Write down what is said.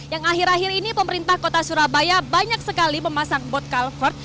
yang akhir akhir ini pemerintah kota surabaya banyak sekali memasang bot culvert